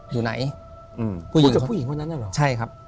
ถูกต้องไหมครับถูกต้องไหมครับ